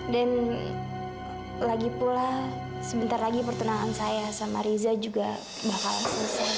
dan lagipula sebentar lagi pertunangan saya sama riza juga bakal selesai